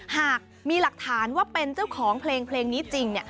หากมีหลักฐานว่าเป็นเจ้าของเพลงนี้จริง